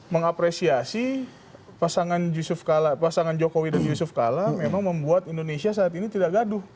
mengapresiasi pasangan jokowi dan yusuf kala memang membuat indonesia saat ini tidak gaduh